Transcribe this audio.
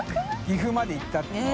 岐阜まで行ったっていう。